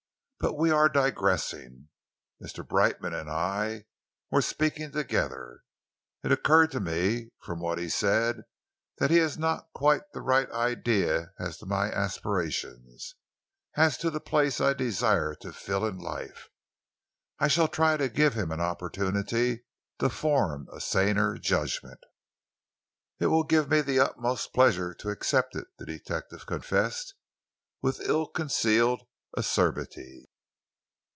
But we are digressing. Mr. Brightman and I were speaking together. It occurred to me, from what he said, that he has not quite the right idea as to my aspirations, as to the place I desire to fill in life. I shall try to give him an opportunity to form a saner judgment." "It will give me the utmost pleasure to accept it," the detective confessed, with ill concealed acerbity.